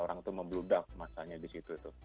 orang itu membludak masanya di situ